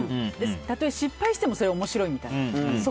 たとえ失敗してもそれは面白いみたいな。